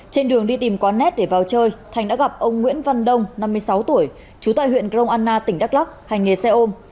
trên đường đi tìm có nét để vào chơi thành đã gặp ông nguyễn văn đông năm mươi sáu tuổi trú tại huyện grong anna tỉnh đắk lắc hành nghề xe ôm